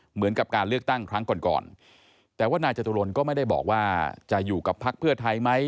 เหมือนกับการเลือกตั้งครั้งก่อนก่อนแต่ว่านายจตุรนก็ไม่ได้บอกว่าจะอยู่กับพักเพื่อไทยไหม